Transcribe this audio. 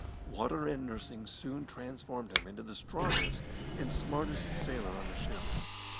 Water and nursing soon transformed him into the strongest and smartest sailor on the ship.